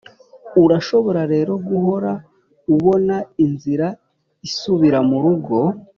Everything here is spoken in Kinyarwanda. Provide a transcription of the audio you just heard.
urashobora rero guhora ubona inzira isubira murugo.